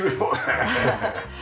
ハハハッ。